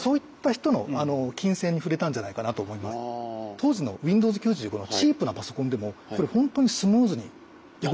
当時のＷｉｎｄｏｗｓ９５のチープなパソコンでもこれホントにスムーズに動いたので。